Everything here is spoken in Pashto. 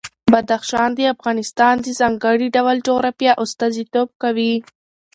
بدخشان د افغانستان د ځانګړي ډول جغرافیه استازیتوب کوي.